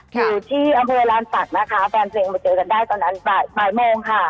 อยู่ที่อำเภอลานศักดิ์นะคะแฟนเพลงมาเจอกันได้ตอนนั้นบ่ายโมงค่ะ